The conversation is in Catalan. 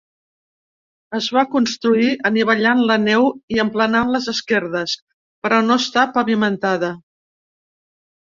Es va construir anivellant la neu i emplenant les esquerdes, però no està pavimentada.